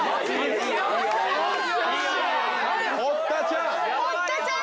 堀田ちゃん！